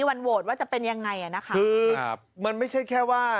หรือวันโหวตว่าจะเป็นยังไงคือมันไม่ใช่แค่ว่า